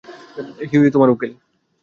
Huey তোমার উকিল।